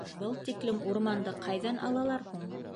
Был тиклем урманды ҡайҙан алалар һуң?